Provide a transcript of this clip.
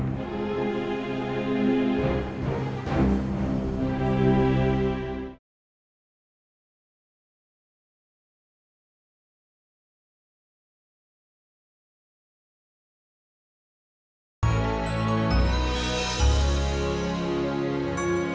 yang bagus sekali itu